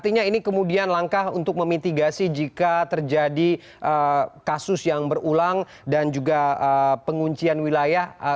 artinya ini kemudian langkah untuk memitigasi jika terjadi kasus yang berulang dan juga penguncian wilayah